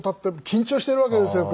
緊張してるわけですよ